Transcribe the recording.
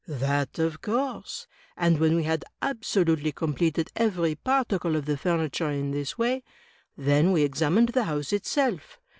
"That, of cotirse; and when we had absolutely completed every particle of the ftimiture in this way, then we examined the house itself.